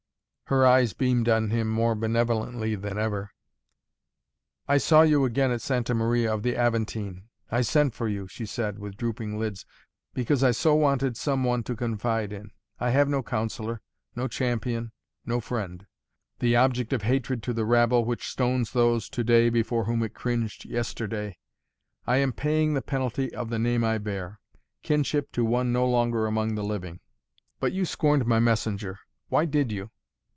Her eyes beamed on him more benevolently than ever. "I saw you again at Santa Maria of the Aventine. I sent for you," she said, with drooping lids, "because I so wanted some one to confide in. I have no counsellor, no champion no friend. The object of hatred to the rabble which stones those to day before whom it cringed yesterday I am paying the penalty of the name I bear kinship to one no longer among the living. But you scorned my messenger. Why did you?"